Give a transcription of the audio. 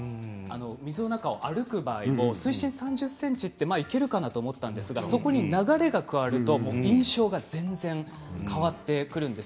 水の中を歩く場合水深３０ｃｍいけるかと思ったんですけれど流れが加わると印象は全然変わってくるんです。